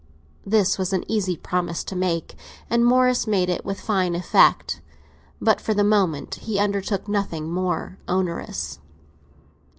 This was an easy promise to make, and Morris made it with fine effect. But for the moment he undertook nothing more onerous.